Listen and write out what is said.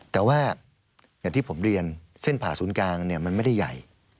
แต่ว่าอย่างที่ผมเรียนเส้นผ่าศูนย์กลางมันไม่ได้ใหญ่